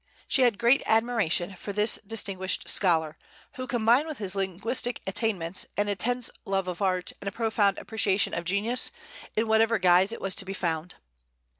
She had great admiration for this distinguished scholar, who combined with his linguistic attainments an intense love of art and a profound appreciation of genius, in whatever guise it was to be found.